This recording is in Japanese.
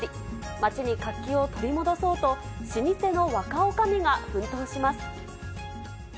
町に活気を取り戻そうと、老舗の若おかみが奮闘します。